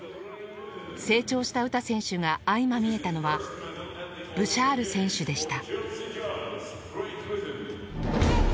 成長した詩選手が相まみえたのはブシャール選手でした。